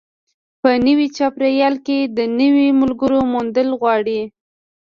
په نوي چاپېریال کې د نویو ملګرو موندل غواړي.